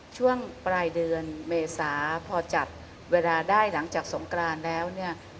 ช่วงปลายเดือนเมษาพอจัดเวลาได้หลังจากสงกรานแล้วเนี่ย